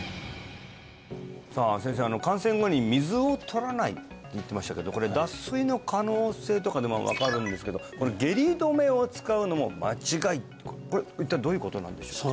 さあ先生感染後に水をとらないって言ってましたけどこれ脱水の可能性とかで分かるんですけど下痢止めを使うのも間違いってこれ一体どういうことなんでしょうか？